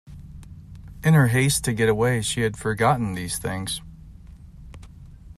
In her haste to get away she had forgotten these things.